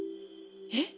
えっ？